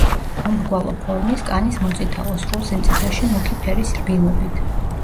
მომრგვალო ფორმის, კანი მოწითალო, სრულ სიმწიფეში მუქი ფერის რბილობით.